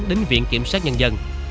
đến viện kiểm soát nhân dân